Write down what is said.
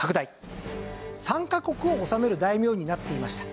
３カ国を治める大名になっていました。